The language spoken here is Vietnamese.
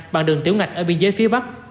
bằng đường tiểu ngạch ở biên giới phía bắc